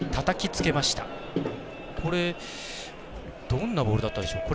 どんなボールだったでしょう。